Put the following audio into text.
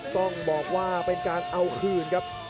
ต้องบอกว่าเป็นการเอาคืนครับ